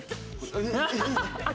何？